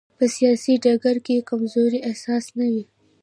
په سیاسي ډګر کې کمزورۍ احساس نه وي.